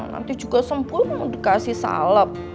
nanti juga sempul mau dikasih salep